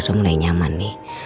tidur udah mulai nyaman nih